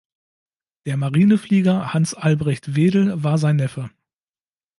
Der Marineflieger Hans Albrecht Wedel war sein Neffe.